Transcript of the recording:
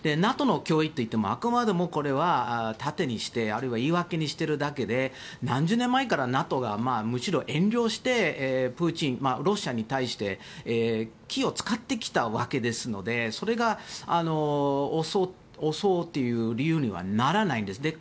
ＮＡＴＯの脅威といってもあくまでもこれは盾にしてあるいは言い訳にしているだけで何十年前からＮＡＴＯがむしろ遠慮してプーチン、ロシアに対して気を使ってきたわけですのでそれが襲うという理由にはならないんです。